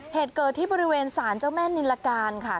เหตุเกิดที่บริเวณสารเจ้าแม่นิลการค่ะ